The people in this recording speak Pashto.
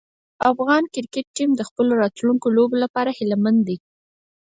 افغان کرکټ ټیم د خپلو راتلونکو لوبو لپاره هیله مند دی.